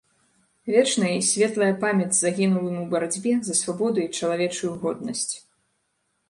Вечная і светлая памяць загінулым у барацьбе за свабоду й чалавечую годнасць.